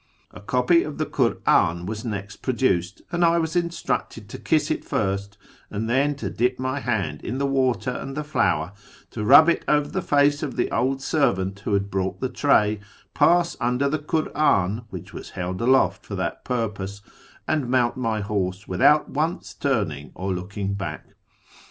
A copy of the Kur'an was next produced, and I was instructed to kiss it first, and then to dip my hand in the water and the flour, to rub it over the face of the old servant who had brought the tray, pass under the Kur'an, which was held aloft for that purpose, and mount my horse without once turning or looking back.